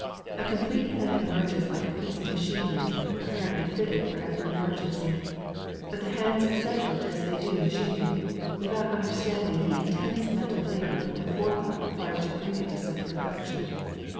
A complete plan emerges like a piece of machinery, apparently fitted for every emergency. But the hands accept it as they do machinery, without understanding the intense mental labour and forethought required to bring it to such perfection.